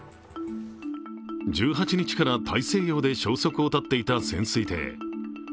１８日から大西洋で消息を絶っていた潜水艇。